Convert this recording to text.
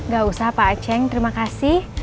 gak usah pak aceh terima kasih